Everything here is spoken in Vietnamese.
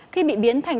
khi bị biến thành